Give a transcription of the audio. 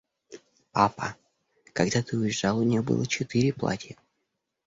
Папа, когда ты уезжал, у нее было четыре платья.